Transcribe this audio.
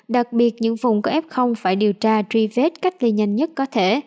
đặc biệt những vùng có ép không phải điều tra truy vết cách lây nhanh nhất có thể